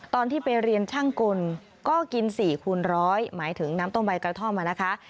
ตอนที่ไปเรียนช่างกลก็กิน๔คูณร้อยหมายถึงน้ำต้มใบกระท่อมนะคะ